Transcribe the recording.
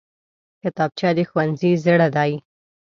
کتابچه د ښوونځي زړه دی